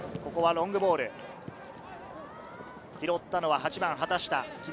ロングボール、拾ったのは畑下。